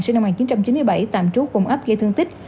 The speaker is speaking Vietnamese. sinh năm một nghìn chín trăm chín mươi bảy tạm trú cùng ấp gây thương tích